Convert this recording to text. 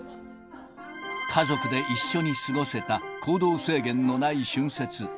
家族で一緒に過ごせた行動制限のない春節。